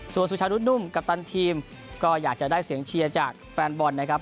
ส่วนสุชานุษนุ่มกัปตันทีมก็อยากจะได้เสียงเชียร์จากแฟนบอลนะครับ